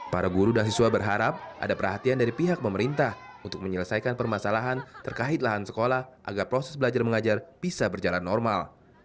para guru dan siswa berharap ada perhatian dari pihak pemerintah untuk menyelesaikan permasalahan terkait lahan sekolah agar proses belajar mengajar bisa berjalan normal